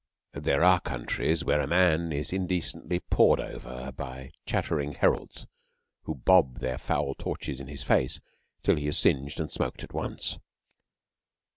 There are countries where a man is indecently pawed over by chattering heralds who bob their foul torches in his face till he is singed and smoked at once.